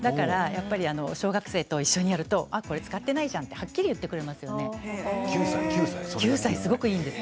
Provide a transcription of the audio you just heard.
小学生と一緒にやるとこれ使ってないってはっきり言ってくれますよ。